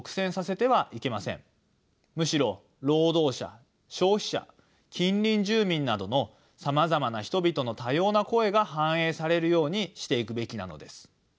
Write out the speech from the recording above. むしろ労働者消費者近隣住民などのさまざまな人々の多様な声が反映されるようにしていくべきなのです。